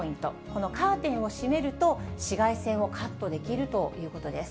このカーテンを閉めると、紫外線をカットできるということです。